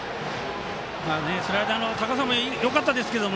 スライダーの高さもよかったですけど